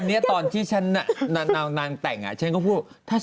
เดี๋ยวเลี้ยงรูปหนูก้อน